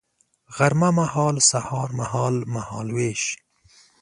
غرمه مهال سهار مهال ، مهال ویش